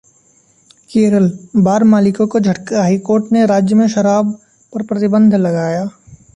Kerala: bar मालिकों को झटका, हाईकोर्ट ने राज्य में शराब पर प्रतिबंध लगाया